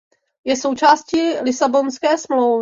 Je součástí Lisabonské smlouvy.